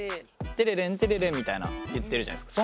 テレレンテレレンみたいな言ってるじゃないですか。